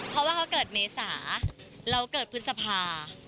เพราะว่าเขาเกิดเมษาเราเกิดพฤษภา